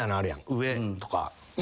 上とか。